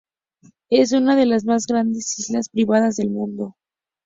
Es una de las más grandes islas privadas del mundo.